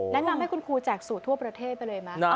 แนะนำให้คุณครูแจกสูตรทั่วประเทศไปเลยไหม